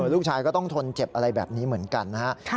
ลูกชายก็ต้องทนเจ็บอะไรแบบนี้เหมือนกันนะครับ